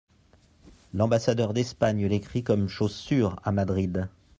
L'ambassadeur d'Espagne l'écrit comme chose sûre à Madrid.